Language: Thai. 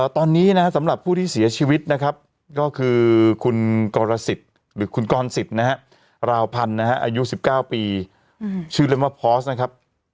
ตอนนี้นะครับสำหรับผู้ที่เสียชีวิตนะครับก็คือคุณกรสิทธิ์หรือคุณกรสิทธิ์นะฮะราวพันธ์อายุ๑๙ปีชื่อเล่นว่าพอสนะครับ